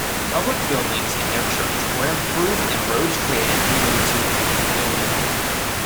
Public buildings and their church were improved and roads created leading to Guindulman.